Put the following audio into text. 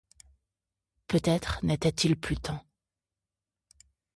Peut-être n’était-il plus temps.